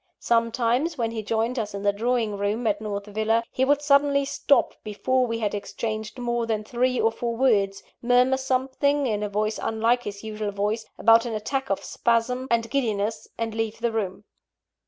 Sometimes, when he joined us in the drawing room at North Villa, he would suddenly stop before we had exchanged more than three or four words, murmur something, in a voice unlike his usual voice, about an attack of spasm and giddiness, and leave the room.